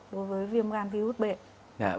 đối với viêm gan virus này